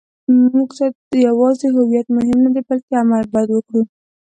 موږ ته یوازې هویت مهم نه دی، بلکې عمل باید وکړو.